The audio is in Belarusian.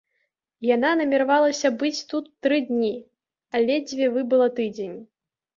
Яна намервалася быць тут тры тыдні, а ледзьве выбыла тыдзень.